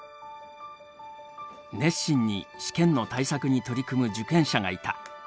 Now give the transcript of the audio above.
熱心に試験の対策に取り組む受験者がいた。